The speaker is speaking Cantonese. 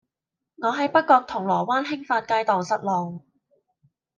我喺北角銅鑼灣興發街盪失路